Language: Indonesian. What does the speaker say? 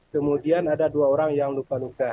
kemudian ada dua orang yang luka luka